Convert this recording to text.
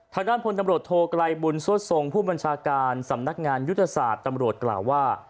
ทางด้านพลตำรวจโทไกลบุญสวดทรงผู้บัญชาการสำนักงานยุทธศาสตร์ตำรวจกล่าวว่า